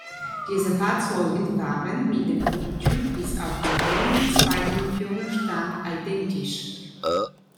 Diese Fahrzeuge waren mit dem Prototyp bis auf den fehlenden zweiten Führerstand identisch.